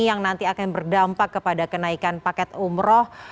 yang nanti akan berdampak kepada kenaikan paket umroh